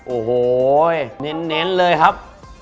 โอ้โหเน้นเลยครับ